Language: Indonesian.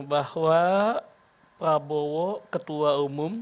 bahwa prabowo ketua umum